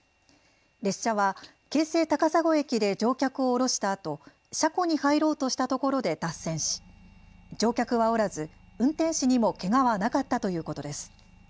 列車は京成高砂駅で乗客を降ろしたあと車庫に入ろうとしたところで脱線し乗客はおらず運転士にもけがはなかったということです。